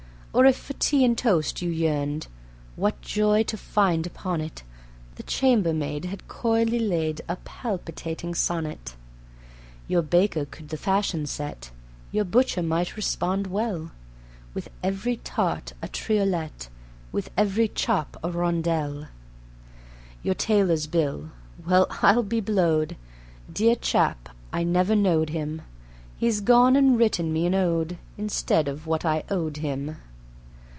Or if for tea and toast you yearned, What joy to find upon it The chambermaid had coyly laid A palpitating sonnet. Your baker could the fashion set; Your butcher might respond well; With every tart a triolet, With every chop a rondel. Your tailor's bill ... well, I'll be blowed! Dear chap! I never knowed him ... He's gone and written me an ode, Instead of what I owed him.